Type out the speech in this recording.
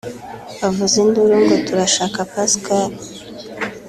bavuza induru ngo turashaka Pascal